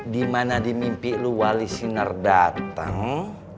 dimana di mimpi lu wali sinar dateng